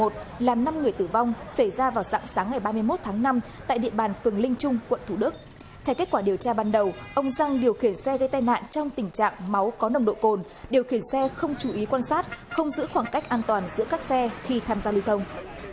tại địa bàn phường linh trung quận thủ đức theo kết quả điều tra ban đầu ông răng điều khiển xe gây tai nạn trong tình trạng máu có nồng độ cồn điều khiển xe không chú ý quan sát không giữ khoảng cách an toàn giữa các xe khi tham gia lưu thông